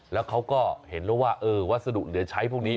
แล้วเขาก็เห็นแล้วว่าวัสดุเหลือใช้พวกนี้